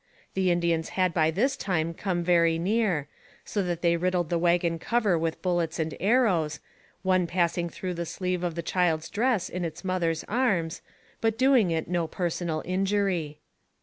The Indians had by this time come very near, so that they riddled the wagon cover with bullets and arrows, one passing through the sleeve of the child's dress in its mother's arms, but doing it no personal injury.